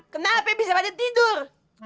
kenapa bisa pada tidur